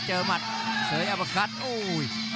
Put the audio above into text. เจอหมัดเสยอาปาคัตโอ้ย